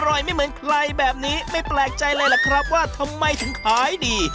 อร่อยไม่เหมือนใครแบบนี้ไม่แปลกใจเลยล่ะครับว่าทำไมถึงขายดี